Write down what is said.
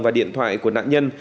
và điện thoại của nạn nhân